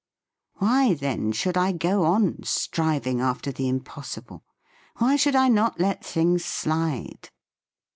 Why, then, should I go on striving after the impossible? Why should I not let things slide?"